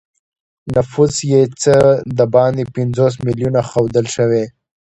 نفوس یې څه د باندې پنځوس میلیونه ښودل شوی.